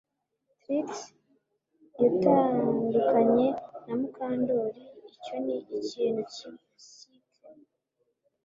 Trix yatandukanye na Mukandoli Icyo ni ikintu kibi CK